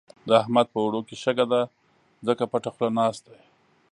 د احمد په اوړو کې شګه ده؛ ځکه پټه خوله ناست دی.